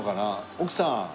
奥さん。